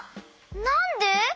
なんで？